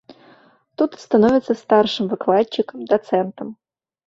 Тут становіцца старшым выкладчыкам, дацэнтам.